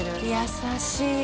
優しい